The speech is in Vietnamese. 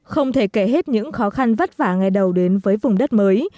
không thể kể hết những khó khăn vất vả ngày đầu đến với vùng đất mới